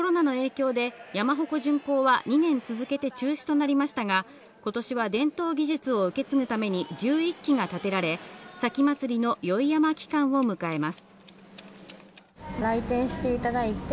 コロナの影響で山鉾巡行は２年続けて中止となりましたが、今年は伝統技術を受け継ぐために、１１基が建てられ、前祭の宵山期間を迎えます。